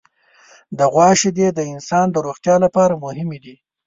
د غوا شیدې د انسان د روغتیا لپاره مهمې دي.